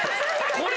これ。